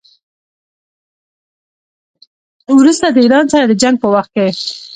وروسته د ایران سره د جنګ په وخت کې.